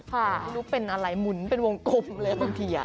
ไม่รู้เป็นอะไรหมุนเป็นวงกลมเลยบางที